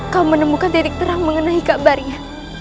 kau menemukan titik terang mengenai kabarnya